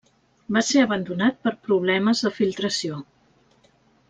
Va ser abandonat per problemes de filtració.